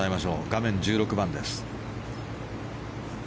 画面、１６番です。